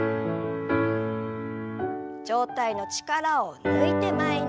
上体の力を抜いて前に。